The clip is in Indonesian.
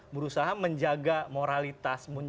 berusaha menjaga moralitas